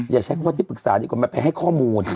อย่าใช้คำว่าที่ปรึกษาดีกว่ามันไปให้ข้อมูล